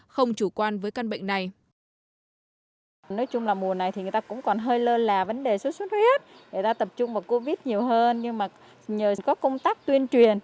không chủ quan với căn bệnh này